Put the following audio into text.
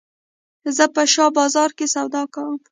زه په شاه بازار کښي سودا کوم.